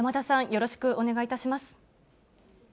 よろしくお願いします。